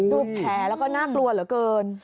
ดูแผลแล้วก็น่ากลัวเหลือเกิน